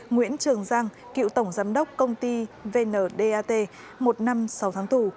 nguyễn trường giang cựu tổng giám đốc công ty vndat một năm sáu tháng tù